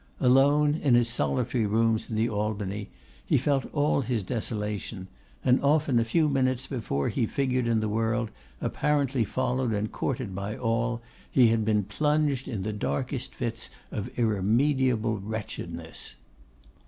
Alone, in his solitary rooms in the Albany, he felt all his desolation; and often a few minutes before he figured in the world, apparently followed and courted by all, he had been plunged in the darkest fits of irremediable wretchedness.